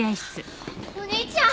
あっお兄ちゃん！